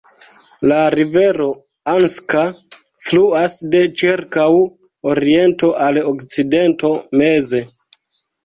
La rivero Anska fluas de ĉirkaŭ oriento al okcidento meze.